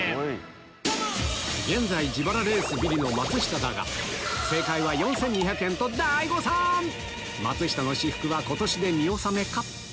現在自腹レースビリの松下だが大誤算‼松下の私服は今年で見納めか？